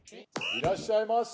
いらっしゃいませ！